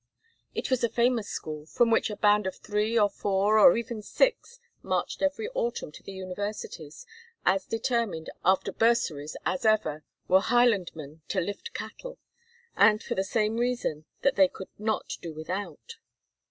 It was a famous school, from which a band of three or four or even six marched every autumn to the universities as determined after bursaries as ever were Highlandmen to lift cattle, and for the same reason, that they could not do without.